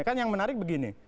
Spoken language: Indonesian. kan yang menarik begini